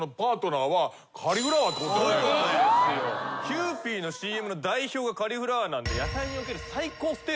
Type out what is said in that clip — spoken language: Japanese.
キユーピーのＣＭの代表がカリフラワーなんで。